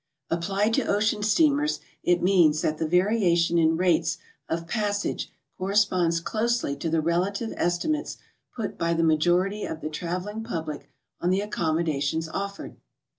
Applied to ocean steamers, it means that the variation in rates of passage corresponds closely to the relative esti mates put by the majority of the traveling public on the ac commodations offered.